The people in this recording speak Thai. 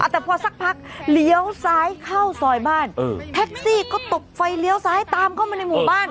แต่พอสักพักเลี้ยวซ้ายเข้าซอยบ้านแท็กซี่ก็ตบไฟเลี้ยวซ้ายตามเข้ามาในหมู่บ้าน